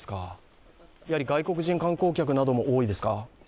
外国人観光客なども多いですか？